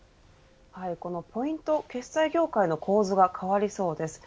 このポイント決済業界の構図は変わりそうです。